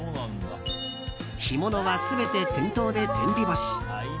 乾物は全て店頭で天日干し。